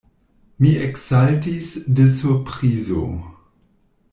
Mi eksaltis de surprizo.